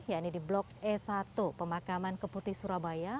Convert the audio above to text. yakni di blok e satu pemakaman keputi surabaya